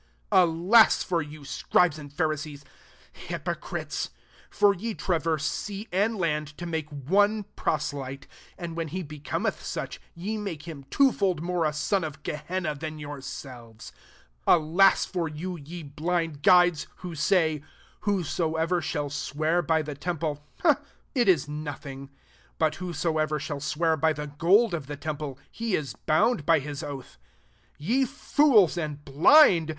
15 Alas for you, Scribes and Pharisees, hypo crites 1 for ye traverse sea and land to make one proselyte J and when he becometh auchy yi make him twofold more a son of Gehenna than yourselves. 16 Alas for you, ye blin4 guides ! who say, * Whosoevef shall swear by the temple, it ' nothing; but whosoever shi swear by the gold of the tei pie, he is bound by his oatl 17 Ye fools, and blind